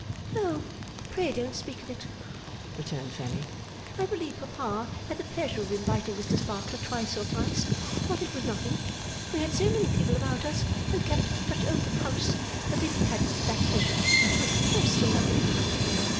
'Oh, pray don't speak of it,' returned Fanny. 'I believe Papa had the pleasure of inviting Mr Sparkler twice or thrice, but it was nothing. We had so many people about us, and kept such open house, that if he had that pleasure, it was less than nothing.